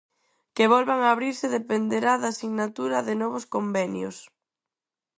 Que volvan a abrirse dependerá da sinatura de novos convenios.